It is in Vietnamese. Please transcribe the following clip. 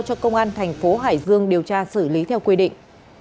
cho công an thành phố hải dương điều tra xử lý theo quy định